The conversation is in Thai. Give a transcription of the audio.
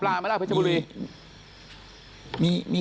เพราะว่าเดี๋ยวสองทุ่มเนี้ยจะต้องสวดมนต์วันเนี้ย